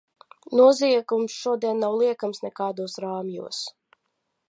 Noziegums šodien nav liekams nekādos rāmjos.